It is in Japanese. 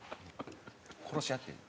殺し合ってる。